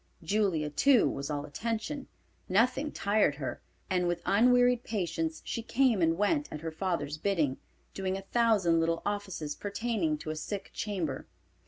Julia too was all attention. Nothing tired her, and with unwearied patience she came and went at her father's bidding, doing a thousand little offices pertaining to a sick chamber.